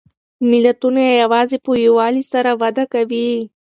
ملتونه یوازې په یووالي سره وده کوي.